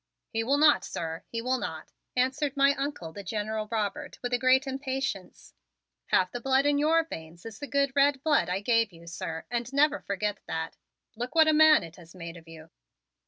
"He will not, sir, he will not!" answered my Uncle, the General Robert, with a great impatience. "Half the blood in your veins is the good red blood I gave you, sir, and never forget that. Look what a man it has made of you!"